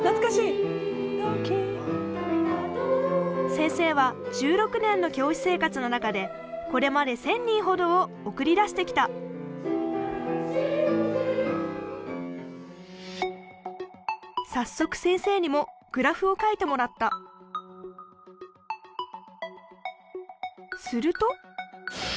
先生は１６年の教師生活の中でこれまで１，０００人ほどを送り出してきた早速先生にもグラフを描いてもらったすると。